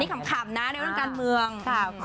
อันนี้ขำนะในวันการเมือง